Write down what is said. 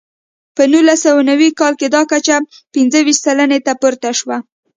په نولس سوه نوي کال کې دا کچه پنځه ویشت سلنې ته پورته شوه.